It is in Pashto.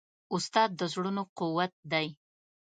استاد د زړونو قوت دی.